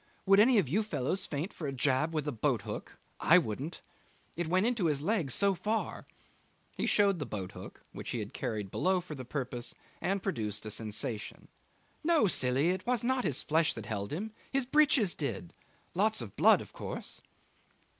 Would any of you fellows faint for a jab with a boat hook? I wouldn't. It went into his leg so far.' He showed the boat hook, which he had carried below for the purpose, and produced a sensation. 'No, silly! It was not his flesh that held him his breeches did. Lots of blood, of course.